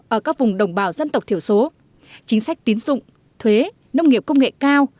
ở các vùng đồng bào dân tộc thiểu số chính sách tín dụng thuế nông nghiệp công nghệ cao